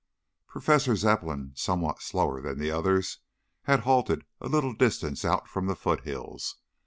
Professor Zepplin, somewhat slower than the others, had halted a little distance out from the foothills.